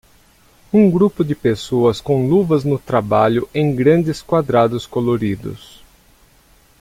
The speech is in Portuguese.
Um grupo de pessoas com luvas no trabalho em grandes quadrados coloridos.